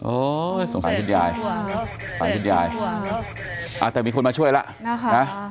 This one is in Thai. โอ้ยสงสัยพี่ยายสงสัยพี่ยายอ่าแต่มีคนมาช่วยแล้วนะคะนะฮะ